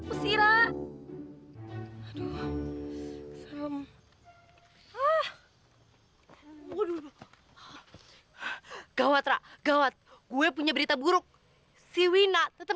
enggak gak boleh gak boleh